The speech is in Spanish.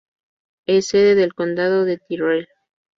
Es sede del condado de Tyrrell.